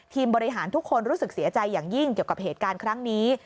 บริหารทุกคนรู้สึกเสียใจอย่างยิ่งเกี่ยวกับเหตุการณ์ครั้งนี้